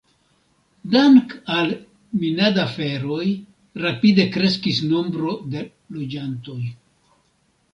Dank' al minad-aferoj rapide kreskis nombro de loĝantoj.